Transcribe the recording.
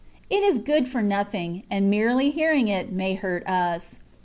It is good for nothing, and merely hearing it may hurt us.